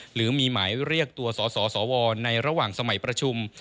หรือมีหมายเรียกตัวสสวในระหว่างสมัยประชุม